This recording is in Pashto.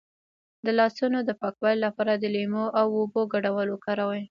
د لاسونو د پاکوالي لپاره د لیمو او اوبو ګډول وکاروئ